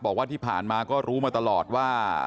บอกว่าที่ผ่านมาก็รู้มาตลอดว่า